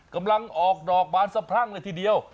กำลังออกดอกบานสะพรั่งเลยทีเดียว